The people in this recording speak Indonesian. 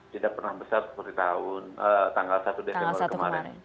tidak pernah besar seperti tahun tanggal satu desember kemarin